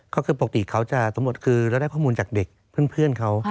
ก็คือปกติเขาจะสำรวจคือเราได้ข้อมูลจากเด็กเพื่อนเขา